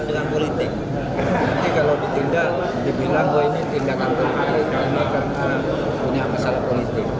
bisa dengan politik nanti kalau ditindak dibilang ini tindakan politik ini karena punya masalah politik